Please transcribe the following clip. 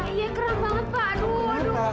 iya keram banget pak